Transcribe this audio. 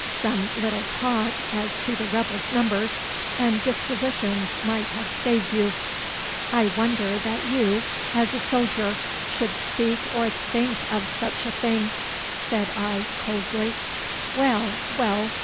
Some little talk as to the rebels' numbers and dispositions might have saved you.' 'I wonder that you, as a soldier, should speak or think of such a thing,' said I coldly. 'Well, well!